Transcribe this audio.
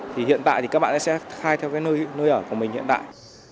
thì hiện tại thì các bạn sẽ khai theo nơi ở của mình hiện tại